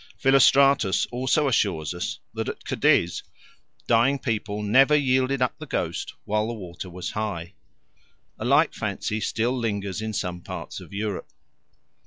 Philostratus also assures us that at Cadiz dying people never yielded up the ghost while the water was high. A like fancy still lingers in some parts of Europe.